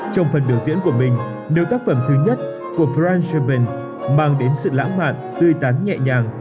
trong phần biểu diễn của mình nếu tác phẩm thứ nhất của frank scharpen mang đến sự lãng mạn tươi tán nhẹ nhàng